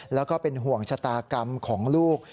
แล้วก็เป็นห่วงชะตากรรมของลูก